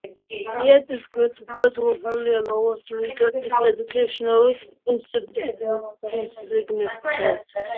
Yet its great spread will hardly allow us to regard it as educationally insignificant.